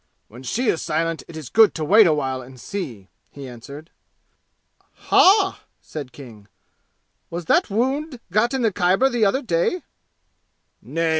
When she is silent it is good to wait a while and see!" he answered. "Hah!" said King. "Was that wound got in the Khyber the other day?" "Nay.